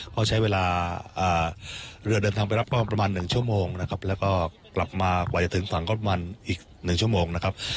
ก็ใช้เวลาเรือเดินทางไปรับก็ประมาณ๑ชั่วโมงนะครับแล้วก็กลับมากว่าจะถึงฝั่งก็มันอีก๑ชั่วโมงนะครับ